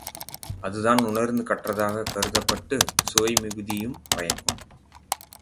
அதுதான் உணர்ந்து கற்றதாகக் கருதப்பட்டுச் சுவை மிகுதியும் பயக்கும்.